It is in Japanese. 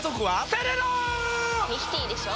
セレナ‼「ミキティ」でしょ？